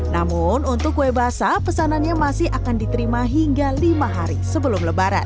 namun untuk kue basah pesanannya masih akan diterima hingga lima hari sebelum lebaran